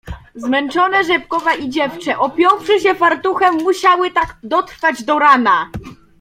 "Zmęczone Rzepkowa i dziewczę, opiąwszy się fartuchem, musiały tak dotrwać do rana."